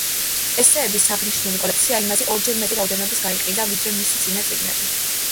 ესსეების აღნიშნული კოლექცია იმაზე ორჯერ მეტი რაოდენობის გაიყიდა, ვიდრე მისი წინა წიგნები.